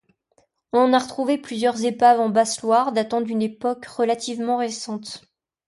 On en a retrouvé plusieurs épaves en basse-Loire, datant d'une époque relativement récente.